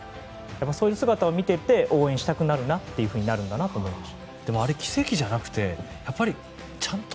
そういう姿を見ていて応援したくなるんだなと思いました。